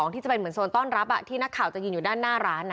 ที่จะเป็นเหมือนโซนต้อนรับที่นักข่าวจะยืนอยู่ด้านหน้าร้าน